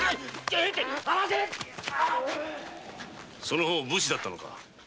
その方武士だったのか？